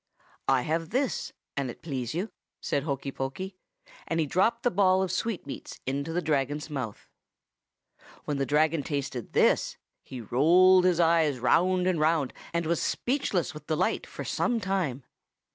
"'I have this, an it please you,' said Hokey Pokey; and he dropped the ball of sweetmeats into the Dragon's mouth. "When the Dragon tasted this, he rolled his eyes round and round, and was speechless with delight for some time.